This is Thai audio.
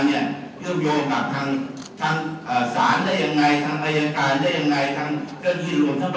นะครับจังหวัดเองเขาขนาดนี้เขากลับเรียบกลับ